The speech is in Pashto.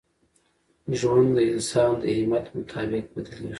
ژوند د انسان د همت مطابق بدلېږي.